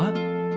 chúng con đó